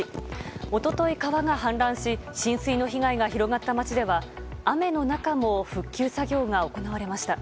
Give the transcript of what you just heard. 一昨日、川が氾濫し浸水の被害が広がった町では雨の中も復旧作業が行われました。